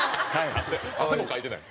汗もかいてない。